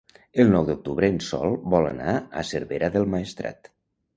El nou d'octubre en Sol vol anar a Cervera del Maestrat.